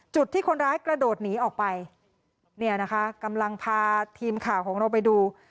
จุดที่คนร้ายกระโดดหนีออกไปเนี่ยนะคะกำลังพาทีมข่าวของเราไปดู